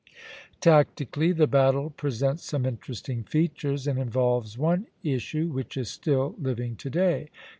] Tactically, the battle presents some interesting features, and involves one issue which is still living to day.